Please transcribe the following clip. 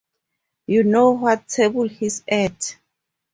You know what table he's at?